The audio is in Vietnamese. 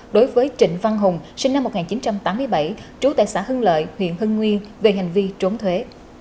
đối với trịnh văn hùng sinh năm một nghìn chín trăm tám mươi bảy trú tại xã hưng lợi huyện hưng nguyên về hành vi trốn thuế